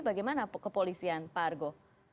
bagaimana kepolisian pak argo